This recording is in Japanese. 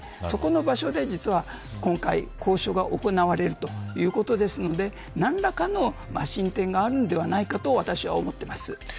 そこの場所で実は今回交渉が行われるということですので何らかの進展があるのではないかと私は思っています。